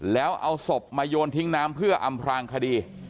แล้วเอาศพมาโยนทิ้งน้ำเพื่ออำพลางคดี